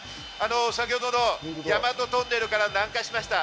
先ほど大和トンネルから南下しました。